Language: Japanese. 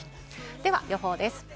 では予報です。